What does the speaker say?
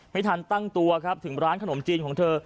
ไม่ทันตั้งตัวครับถึงร้านขนมจีนของเธอ